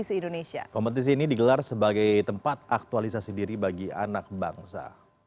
kompetisi indonesia kompetisi ini digelar sebagai tempat aktualisasi diri bagi anak bangsa